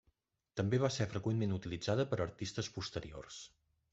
També va ser freqüentment utilitzada per artistes posteriors.